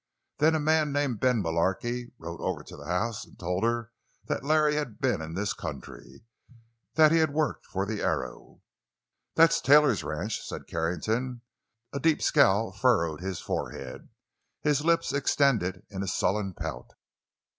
Then a man named Ben Mullarky rode over to the house and told her that Larry had been in this country—that he had worked for the Arrow." "That's Taylor's ranch," said Carrington. A deep scowl furrowed his forehead; his lips extended in a sullen pout.